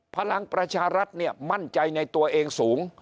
พลังประชารัฐเนี่ยมั่นใจในตัวเองสูง